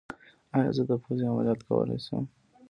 ایا زه د پوزې عملیات کولی شم؟